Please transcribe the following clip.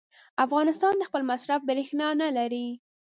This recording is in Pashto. افغانستان د خپل مصرف برېښنا نه لري.